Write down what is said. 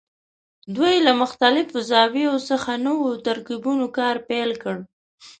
دوی له مختلفو زاویو څخه نوو ترکیبونو کار پیل کړ.